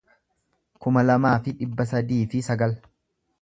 kuma lamaa fi dhibba sadii fi sagal